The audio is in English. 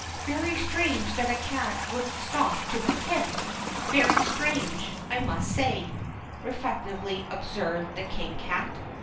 "Very strange that a cat wouldn't stop to be hit — very strange, I must say," reflectively observed the King Cat.